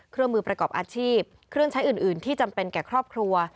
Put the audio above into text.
เครื่องมือประกอบอาชีพเครื่องใช้อื่นที่จำเป็นแก่ครอบครัว